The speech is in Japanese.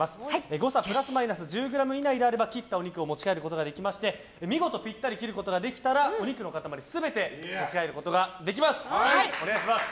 誤差プラスマイナス１０ｇ以内であれば切ったお肉を持ち帰ることができ見事３００ｇピッタリに切ることができればお肉の塊全て持ち帰ることができます。